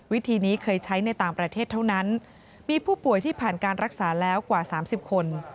วิธีนี้เคยใช้ในต่างประเทศเท่านั้นมีผู้ป่วยที่ผ่านการรักษาแล้วกว่า๓๐คน